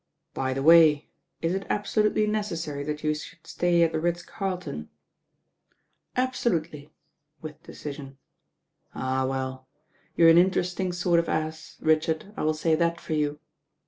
"By the way, is it absolutely necessary that you should stay at the Ritz Carlton ?" '•Absolutely," with decision. "Ah, well! you're an interesting sort of ass, Richard, I will say that for you.